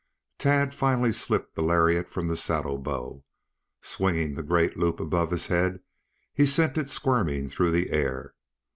Tad finally slipped the lariat from the saddle bow. Swinging the great loop above his head, he sent it squirming through the air.